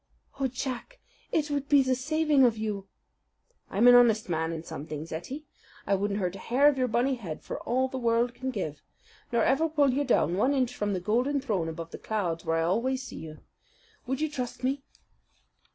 "Oh, Jack, it would be the saving of you!" "I'm an honest man in some things, Ettie. I wouldn't hurt a hair of your bonny head for all that the world can give, nor ever pull you down one inch from the golden throne above the clouds where I always see you. Would you trust me?"